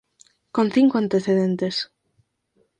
Con cinco antecedentes.